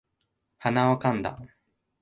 鼻をかんだ